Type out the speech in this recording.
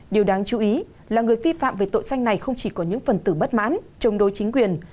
điều đáng chú ý là người vi phạm về tội danh này không chỉ có những phần tử bất mãn chống đối chính quyền